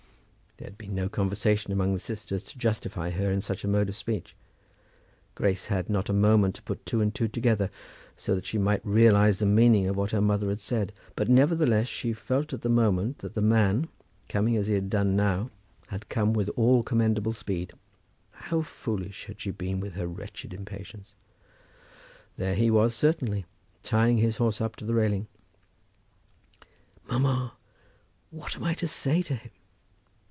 There had been no conversation among the sisters to justify her in such a mode of speech. Grace had not a moment to put two and two together, so that she might realize the meaning of what her mother had said; but nevertheless, she felt at the moment that the man, coming as he had done now, had come with all commendable speed. How foolish had she been with her wretched impatience! There he was certainly, tying his horse up to the railing. "Mamma, what am I to say to him?"